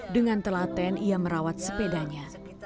dengan telaten ia merawat sepedanya